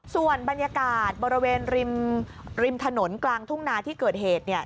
ส่วนบรรยากาศบริเวณริมริมถนนกลางทุ่งนาที่เกิดเหตุเนี่ย